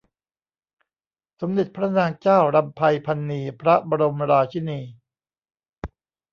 สมเด็จพระนางเจ้ารำไพพรรณีพระบรมราชินี